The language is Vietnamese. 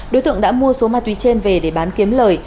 đối tượng đã mua số ma túy trên về để bán kiếm lời